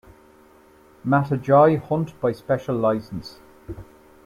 Matagi hunt by special license.